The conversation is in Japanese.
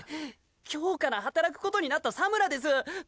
今日から働くことになった佐村ですっ！